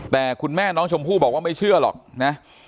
แต่คุณแม่น้องชมพู่บอกว่าไม่เชื่อหรอกนะ